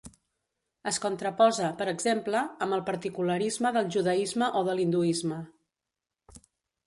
Es contraposa, per exemple, amb el particularisme del judaisme o de l'hinduisme.